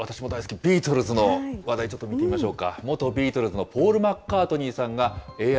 さあ、次は私も大好き、ビートルズの話題、ちょっと見てみましょうか。